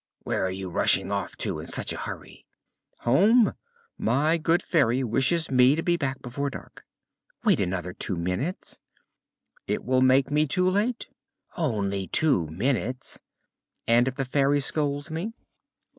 "Where are you rushing off to in such a hurry?" "Home. My good Fairy wishes me to be back before dark." "Wait another two minutes." "It will make me too late." "Only two minutes." "And if the Fairy scolds me?"